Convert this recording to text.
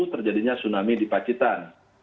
terjadinya tsunami di pacitan